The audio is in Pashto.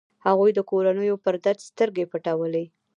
هغوی د کورنيو پر درد سترګې پټولې.